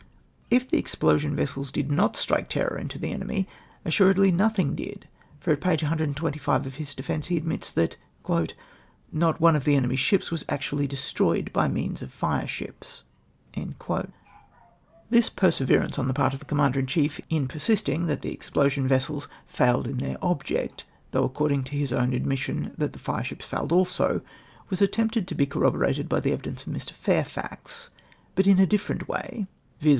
If the explosion vessels did nut strike terror into the enemy assuredly nothing did, for at page 125 of his defence he admits that " not one of the enemy'' s ships was actually destroyed by means of fires] tipsy This perseverance on the part of the Commander in chief in persistmg that the explosion vessels " foiled in their object," though according to his own admission that the lireships failed also, was attempted to be corroborated by the evidence of Mr. Fairfax, but in a different way, viz.